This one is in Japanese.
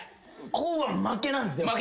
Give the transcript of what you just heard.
こうは負けなんすよ。